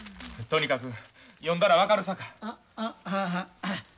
とにかく読んだら分かるさかい。